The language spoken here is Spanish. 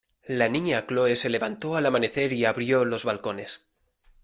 la Niña Chole se levantó al amanecer y abrió los balcones.